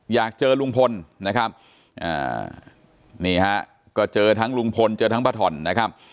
อยากเจอลุงพลนะครับนี่ฮะก็เจอทั้งลุงพลเจอทั้งป้าถ่อนนะครับ